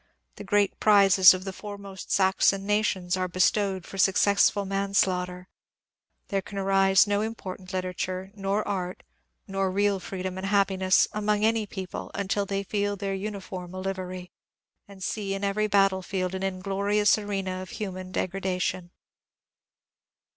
The great prizes of the foremost Saxon nations are bestowed for successful manslaughter. There can arise no important literature, nor art, nor real freedom and happiness. A NEW PLAN FOR ENDING WAR 453 among any people until they feel their uniform a livery, and see in every battlefield an inglorious arena of human degrada tion.